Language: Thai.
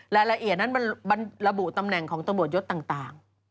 รายละเอียดนั้นมันระบุตำแหน่งของตำรวจยศต่าง